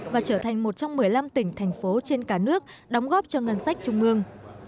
và trở thành một trong một mươi năm tỉnh thành phố trên cả nước đóng góp cho ngân sách trung ương